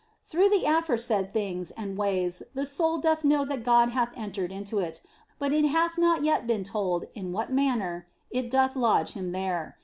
Through the aforesaid things and ways the soul doth know that God hath entered into it, but it hath not yet been told in what manner it doth lodge Him there.